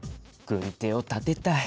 軍手を立てたい。